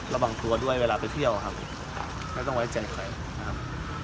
ระวังตัวด้วยเวลาไปเที่ยวครับไม่ต้องไว้ใจใครนะครับ